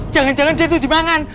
jangan jangan dia tuh dimangan